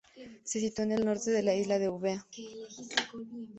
Se sitúa en el norte de la isla de Eubea.